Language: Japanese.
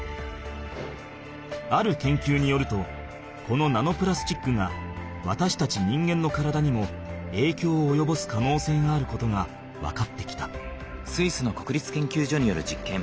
ある研究によるとこのナノプラスチックがわたしたち人間の体にも影響をおよぼす可能性があることが分かってきた。